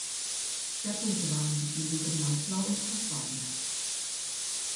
Schwerpunkte waren die Gegend um Namslau und Groß Wartenberg.